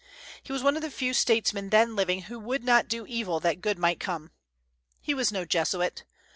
He was one of the few statesmen then living who would not do evil that good might come. He was no Jesuit.